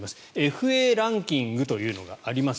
ＦＡランキングというのがあります。